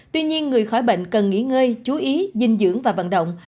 tuy nhiên người khỏi bệnh cần nghỉ ngơi chú ý dinh dưỡng và vận động